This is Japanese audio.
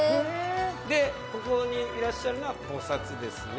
ここにいらっしゃるのは菩薩です。